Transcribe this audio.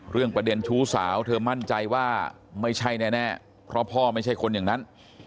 เรื่องประเด็นชู้สาวเธอมั่นใจว่าไม่ใช่แน่เพราะพ่อไม่ใช่คนอย่างนั้น